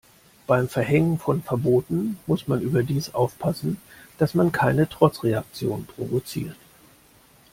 Beim Verhängen von Verboten muss man überdies aufpassen, dass man keine Trotzreaktionen provoziert.